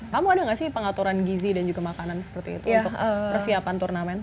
kamu ada nggak sih pengaturan gizi dan juga makanan seperti itu untuk persiapan turnamen